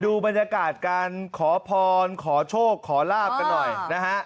ดูบรรยากาศการขอพรขอโชคขอลาบกันหน่อยนะฮะ